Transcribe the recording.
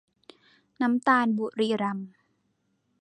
น้ำตาลบุรีรัมย์